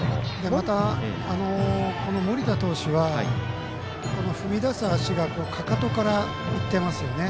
また盛田投手は踏み出す足がかかとからいってますよね。